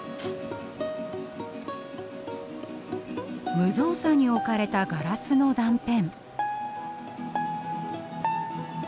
無造作に置かれたガラスの断片。